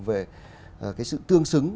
về sự tương xứng